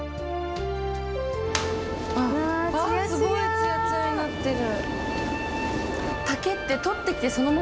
すごいツヤツヤになってる。